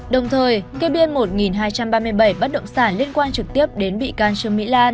đồng thời kê biên một hai trăm ba mươi bảy bất động sản liên quan trực tiếp đến bị can trương mỹ lan